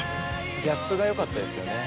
ギャップがよかったですよね。